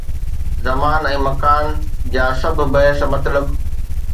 زمان ۽ مڪان جا سڀ بحث مطلب.